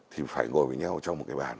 thì phải ngồi với nhau trong một cái bàn